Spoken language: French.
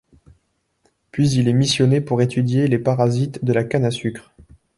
Puis il est missionné pour étudier les parasites de la canne à sucre.